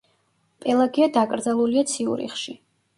პელაგია დაკრძალულია ციურიხში.